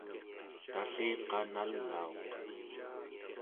talliqa nalauq